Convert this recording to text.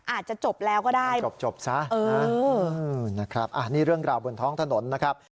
อาจจะจบแล้วก็ได้จบซะนะครับนี่เรื่องราวบนท้องถนนนะครับ